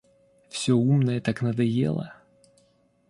Всё умное так надоело...